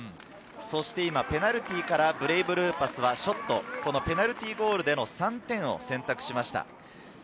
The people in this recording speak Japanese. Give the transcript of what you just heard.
ペナルティーからブレイブルーパスはショット、ペナルティーゴールでの３点を選択しました。